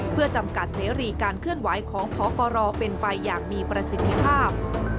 เพื่อจำกัดเสรีการเคลื่อนไหวของพปรเป็นไปอย่างมีประสิทธิภาพ